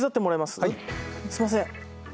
すいません。